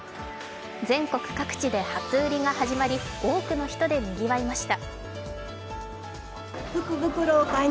全国各地で初売りが始まり多くの人でにぎわいました。